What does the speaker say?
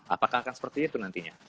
apakah akan seperti itu nantinya